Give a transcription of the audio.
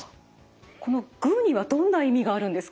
このグーにはどんな意味があるんですか？